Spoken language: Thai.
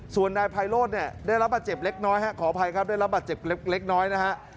ส่วนนายไพโรธเนี่ยได้รับบาดเจ็บเล็กน้อยฮะขออภัยครับได้รับบาดเจ็บเล็กน้อยนะฮะ